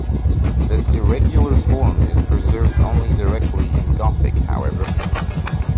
This irregular form is preserved only directly in Gothic, however.